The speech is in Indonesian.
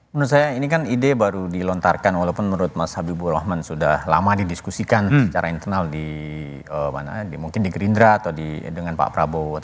menurut saya ini kan ide baru dilontarkan walaupun menurut mas habibur rahman sudah lama didiskusikan secara internal mungkin di gerindra atau dengan pak prabowo